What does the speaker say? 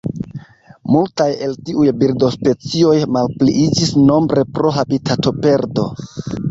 Multaj el tiuj birdospecioj malpliiĝis nombre pro habitatoperdo.